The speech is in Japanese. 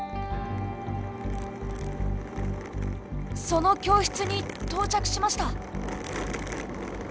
その教室に到着しました。